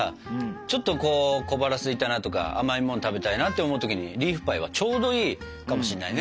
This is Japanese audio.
ちょっと小腹すいたなとか甘いもの食べたいなって思う時にリーフパイはちょうどいいかもしれないね。